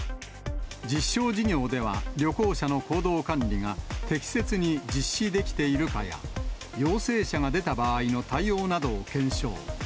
実証事業では、旅行者の行動管理が適切に実施できているかや、陽性者が出た場合の対応などを検証。